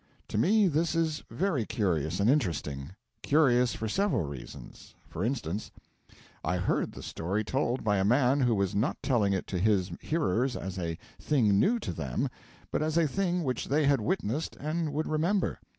To me this is very curious and interesting. Curious for several reasons. For instance: I heard the story told by a man who was not telling it to his hearers as a thing new to them, but as a thing which they had witnessed and would remember.